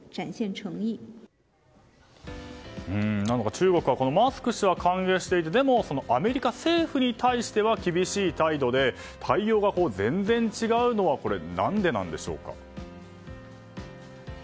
中国はマスク氏は歓迎していてでも、アメリカ政府に対しては厳しい態度で対応が全然違うのは何でなんでしょうか？